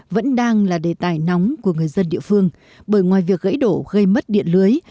vẫn đang là đề tài nóng của người dân địa phương bởi ngoài việc gãy đổ gây mất điện lưới